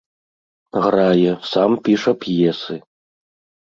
Грае, сам піша п'есы.